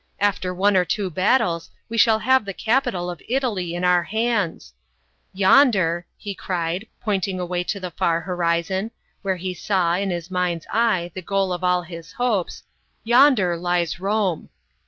" After one or two battles we shall have the capital of Italy in our hands. Yonder," he cried, pointing away to the fair horizon, where he saw, in his mind's eye, the goal of all his hopes "yonder lies Rome."